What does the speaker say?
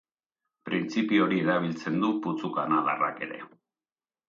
Printzipio hori erabiltzen du putzu kanadarrak ere.